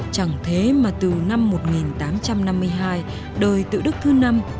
chẳng thế mà từ năm một nghìn tám trăm năm mươi hai đời tự đức thứ năm